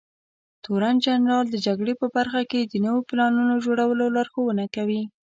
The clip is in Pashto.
تورنجنرال د جګړې په برخه کې د نويو پلانونو جوړولو لارښونه کوي.